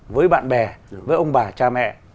với bạn bè với ông bà cha mẹ